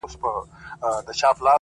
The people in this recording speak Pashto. زه سم پء اور کړېږم ستا په محبت شېرينې،